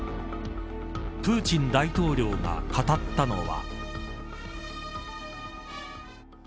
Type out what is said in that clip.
プーチン大統領が語ったのは。